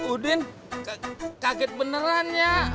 udin kaget beneran ya